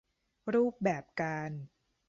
รูปแบบการ